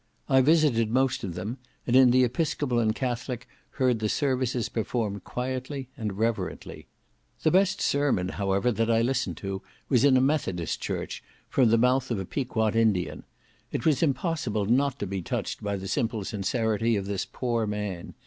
I visited most of them, and in the Episcopal and Catholic heard the services performed quietly and reverently. The best sermon, however, that I listened to, was in a Methodist church, from the mouth of a Piquot Indian. It was impossible not be touched by the simple sincerity of this poor man.